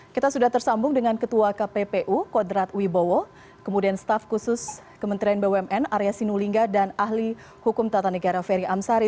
kita sudah tersambung dengan ketua kppu kodrat wibowo kemudian staf khusus kementerian bumn arya sinulinga dan ahli hukum tata negara ferry amsari